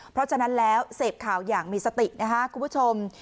เพราะฉะนั้นแล้วเสพข่าวอย่างมีสตินะคะคุณผู้ชม